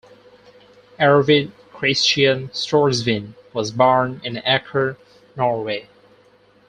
Arvid Kristian Storsveen was born in Aker, Norway.